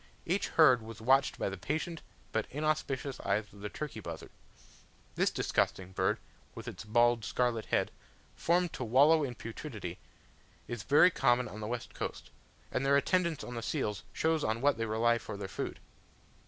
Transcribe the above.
Each herd was watched by the patient but inauspicious eyes of the turkey buzzard. This disgusting bird, with its bald scarlet head, formed to wallow in putridity, is very common on the west coast, and their attendance on the seals shows on what they rely for their food.